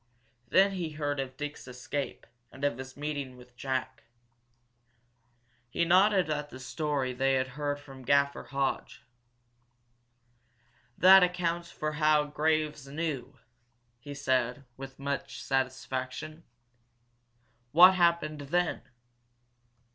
Then he heard of Dick's escape, and of his meeting with Jack. He nodded at the story they had heard from Graffer Hodge. "That accounts for how Graves knew," he said, with much satisfaction. "What happened then?"